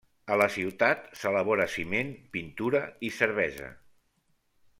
A la ciutat s'elabora ciment, pintura i cervesa.